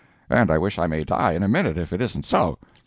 —and I wish I may die in a minute if it isn't so!